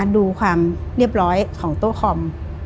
ดูความเรียบร้อยของโต้คอม